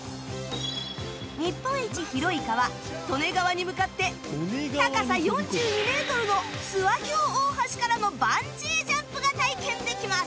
日本一広い川利根川に向かって高さ４２メートルの諏訪峡大橋からのバンジージャンプが体験できます